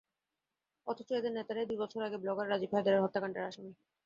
অথচ এদের নেতারাই দুই বছর আগে ব্লগার রাজীব হায়দার হত্যাকাণ্ডের আসামি।